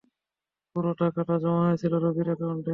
পুরো টাকাটা জমা হয়েছিল রবির অ্যাকাউন্টে।